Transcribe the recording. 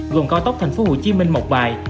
gồm cao tốc tp hcm một vài